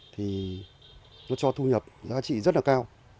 thì nó cho thu nhập giá trị rất là cao